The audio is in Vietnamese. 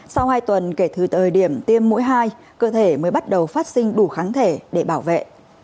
sau hai tuần kể từ thời điểm tiêm mũi hai cơ thể mới bắt đầu phát sinh đủ kháng thể để bảo vệ